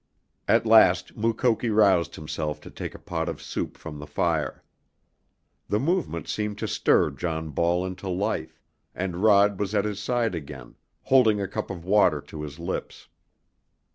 At last Mukoki roused himself to take a pot of soup from the fire. The movement seemed to stir John Ball into life, and Rod was at his side again, holding a cup of water to his lips.